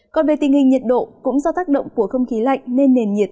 còn về tình hình nhiệt độ cũng do tác động của không khí lạnh nên nền nhiệt